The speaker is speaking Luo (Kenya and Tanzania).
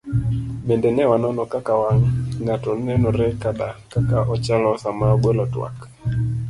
Bende ne wanono kaka wang' ng'ato nenore koda kaka ochalo sama ogolo twak.